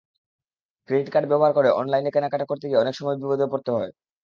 Credit card ব্যবহার করে অনলাইনে কেনাকাটা করতে গিয়ে অনেক সময় বিপদে পড়তে হয়।